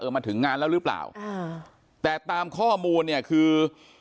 มาถึงงานแล้วหรือเปล่าอ่าแต่ตามข้อมูลเนี่ยคือ